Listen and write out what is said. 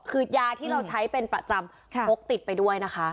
คือยาที่เราใช้เป็นประจำพกติดไปด้วยนะคะ